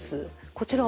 こちらは？